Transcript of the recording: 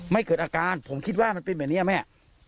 เกิดอาการผมคิดว่ามันเป็นแบบนี้แม่